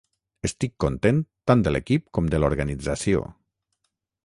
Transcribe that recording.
Estic content tant de l'equip com de l'organització.